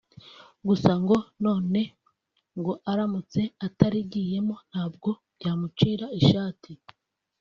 gusa na none ngo aramutse atarigiyemo ntabwo byamucira ishati